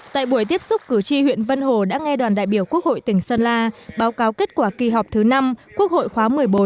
tại buổi tiếp xúc cử tri huyện vân hồ đã nghe đoàn đại biểu quốc hội tỉnh sơn la báo cáo kết quả kỳ họp thứ năm quốc hội khóa một mươi bốn